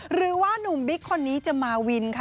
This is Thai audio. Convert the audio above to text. หรือว่านุ่มบิ๊กคนนี้จะมาวินค่ะ